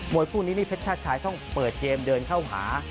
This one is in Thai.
มวยพวกนี้นี่เพชรชายต้องเปิดเทมเดินเข้าหา